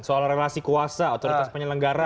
soal relasi kuasa otoritas penyelenggara